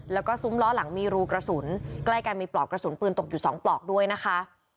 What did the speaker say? แล้วก็ซุ้มล้อหลังมีรูกระสุนใกล้กันมีปลอกกระสุนปืนตกอยู่๒ปลอกด้วยนะคะ